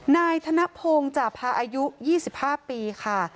นายธนพงศ์จาพาอายุ๒๕ปีค่ะ